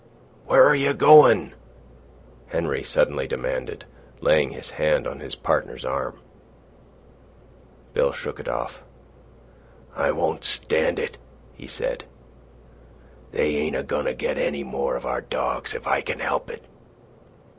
"Where are you goin'?" Henry suddenly demanded, laying his hand on his partner's arm. Bill shook it off. "I won't stand it," he said. "They ain't a goin' to get any more of our dogs if I can help it."